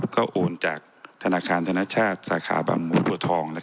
ก็โอนจากธนาคารธนชาติสาขาบางหมูบัวทอง